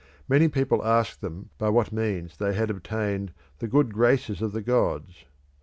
Many people asked them by what means they had obtained the good graces of the gods.